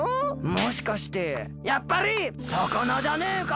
もしかしてやっぱりさかなじゃねえか！